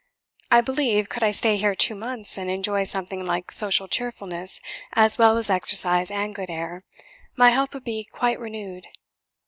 I believe, could I stay here two months, and enjoy something like social cheerfulness as well as exercise and good air, my health would be quite renewed.